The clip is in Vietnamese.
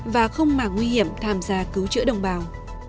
mạng nguy hiểm tham gia cứu trợ đồng bào